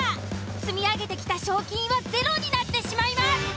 積み上げてきた賞金はゼロになってしまいます。